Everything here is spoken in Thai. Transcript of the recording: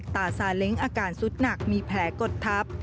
ตาซาเล้งอาการสุดหนักมีแผลกดทับ